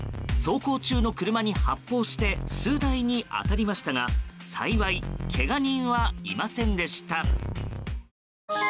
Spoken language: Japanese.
走行中の車に発砲して数台に当たりましたが幸いけが人はいませんでした。